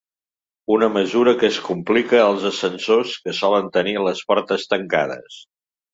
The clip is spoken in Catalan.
Una mesura que es complica als ascensors, que solen tenir les portes tancades.